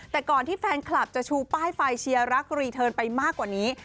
แต่ก่อนที่แฟนคลับจะชูป้ายไฟเชียร์รักรีเทิร์นไปมากกว่านี้